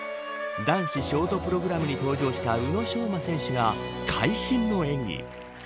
男子ショートプログラムに登場した宇野昌磨選手が会心の演技。